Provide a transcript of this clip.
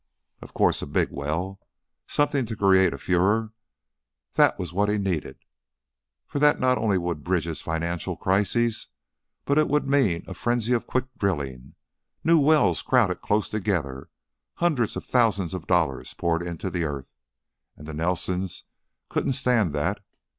Of course, a big well, something to create a furor that was what he needed, for that not only would bridge his financial crisis, but also it would mean a frenzy of quick drilling, new wells crowded close together, hundreds of thousands of dollars poured into the earth, and the Nelsons couldn't stand that.